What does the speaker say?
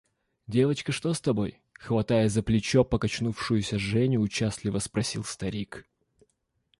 Девочка, что с тобой? – хватая за плечо покачнувшуюся Женю, участливо спросил старик.